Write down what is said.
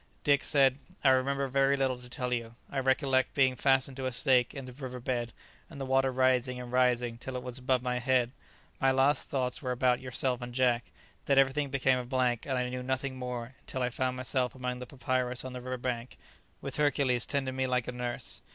Dick said, "I remember very little to tell you. I recollect being fastened to a stake in the river bed and the water rising and rising till it was above my head. My last thoughts were about yourself and Jack. Then everything became a blank, and I knew nothing more until I found myself amongst the papyrus on the river bank, with Hercules tending me like a nurse."